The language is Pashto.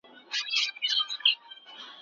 د څلورو فقهي مذهبونو د فقهاو دا نظر دی.